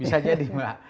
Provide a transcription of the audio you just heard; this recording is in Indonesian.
bisa jadi mbak